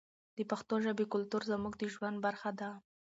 د پښتو ژبې کلتور زموږ د ژوند برخه ده.